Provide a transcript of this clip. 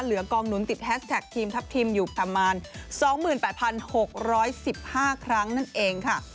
กองหนุนติดแฮสแท็กทีมทัพทิมอยู่ประมาณ๒๘๖๑๕ครั้งนั่นเองค่ะ